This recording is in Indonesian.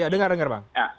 ya dengar dengar bang